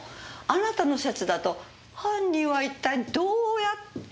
あなたの説だと犯人は一体どうやって逃げたの？